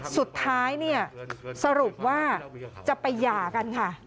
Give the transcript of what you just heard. สุดท้ายเนี่ยสรุปว่าจะไปหย่ากันค่ะ